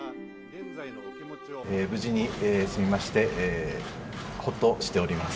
無事に済みまして、ほっとしております。